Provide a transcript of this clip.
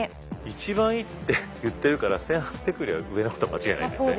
一番いいっていってるから１，８００よりは上なことは間違いないんだよね。